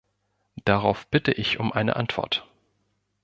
Darauf bitte ich um eine Antwort.